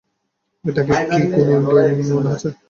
এটাকে কি কোন গেম মনে হচ্ছে?